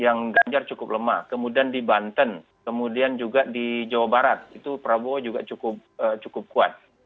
yang ganjar cukup lemah kemudian di banten kemudian juga di jawa barat itu prabowo juga cukup kuat